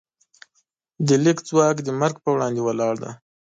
د لیک ځواک د مرګ پر وړاندې ولاړ دی.